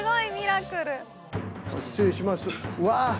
失礼しますうわ！